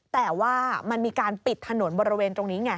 แต่ว่ามันมีการปิดถนนบริเวณตรงนี้ไง